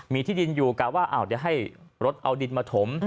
มีที่ดินอยู่กลางไม่ว่าอ้าวเดี๋ยวให้รถเอาดินมาถม